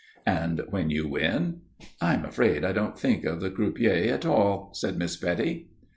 "And when you win?" "I'm afraid I don't think of the croupier at all," said Miss Betty.